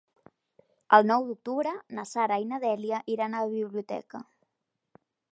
El nou d'octubre na Sara i na Dèlia iran a la biblioteca.